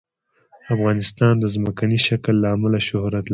افغانستان د ځمکنی شکل له امله شهرت لري.